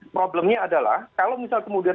problemnya adalah kalau misal kemudian